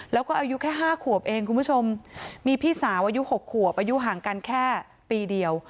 แล้วก็อายุแค่๕ขวบเองคุณผู้ชมมีพี่สาวอายุ๖ขวบอายุห่างกันแค่ปีเดียว